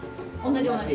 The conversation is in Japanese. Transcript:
同じ同じ。